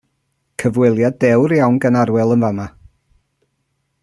Cyfweliad dewr iawn gan Arwel yn fa'ma.